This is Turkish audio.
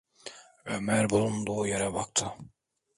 Ömer bulunduğu yere baktı.